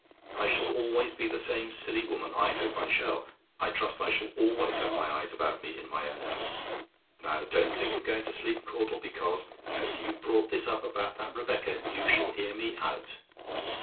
"I SHALL ALWAYS BE THE SAME SILLY WOMAN? "I hope I shall I trust I shall always have my eyes about me in my own house. Now, don't think of going to sleep, Caudle; because, as you've brought this up about that Rebecca, you shall hear me out.